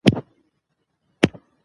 د قانون نه مراعت شخړې زیاتوي